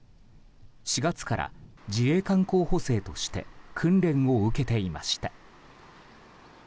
４月から自衛官候補生として訓練を受けていました。